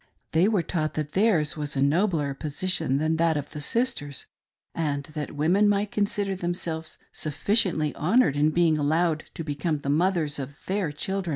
They were taught that theirs was a nobler position than that of the sisters, and that women might consider themselves sufficiently honored in being allowed to become the mothers of their chil dren and to help in building up their " kingdom."